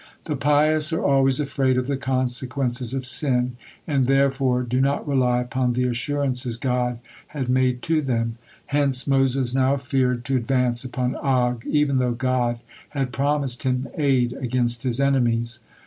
"The pious are always afraid of the consequences of sin, and therefore do not rely upon the assurances God had made to them;" hence Moses now feared to advance upon Og even though God had promised him aid against his enemies.